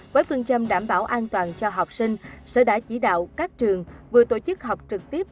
với phương châm đảm bảo an toàn cho học sinh sở đã chỉ đạo các trường vừa tổ chức học trực tiếp